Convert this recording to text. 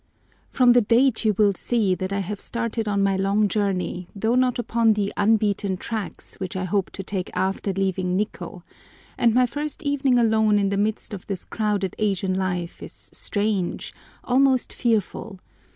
FROM the date you will see that I have started on my long journey, though not upon the "unbeaten tracks" which I hope to take after leaving Nikkô, and my first evening alone in the midst of this crowded Asian life is strange, almost fearful.